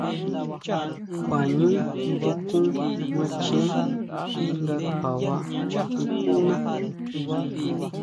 Kjua ʼñú tukún macheé nga kjuaba sukuna.